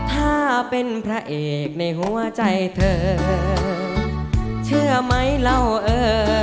ถ้าเป็นพระเอกในหัวใจเธอเชื่อไหมเล่าเออ